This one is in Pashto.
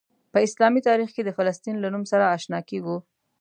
په اسلامي تاریخ کې د فلسطین له نوم سره آشنا کیږو.